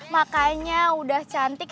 makanya udah cantik